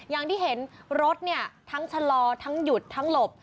อย่างที่เห็นรถเนี่ยทั้งชะลอทั้งหยุดทั้งหลบ